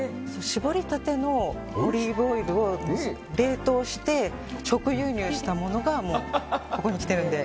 搾りたてのオリーブオイルを冷凍して直輸入したものがここにきてるので。